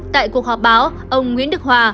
tại cuộc họp báo ông nguyễn đức hòa